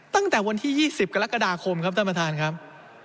ตั้งแต่วันที่๒๐กรกฎาคมครับท่านประธานครับ